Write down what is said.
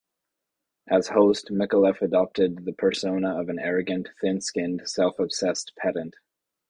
As host, Micallef adopted the persona of an arrogant, thin-skinned, self-obsessed pedant.